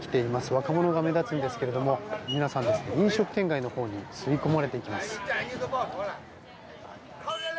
若者が目立つんですけれど皆さん、飲食店街のほうに吸い込まれていきます。